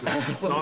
何？